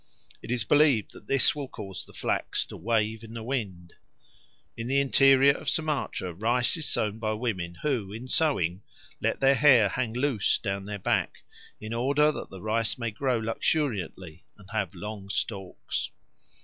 It is believed that this will cause the flax to wave in the wind. In the interior of Sumatra rice is sown by women who, in sowing, let their hair hang loose down their back, in order that the rice may grow luxuriantly and have long stalks.